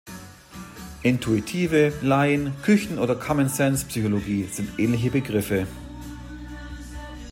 Intuitive, Laien-, Küchen- oder Common-Sense-Psychologie sind ähnliche Begriffe.